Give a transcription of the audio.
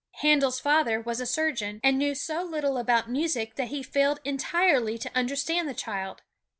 Handel's father was a surgeon, and knew so little about music that he failed entirely to understand the child.